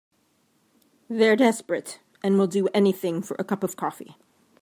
They're desperate and will do anything for a cup of coffee.